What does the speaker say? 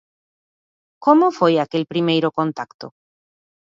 Como foi aquel primeiro contacto?